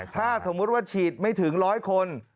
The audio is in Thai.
ถ้าสมมุติว่าฉีดไม่ถึง๑๐๐คน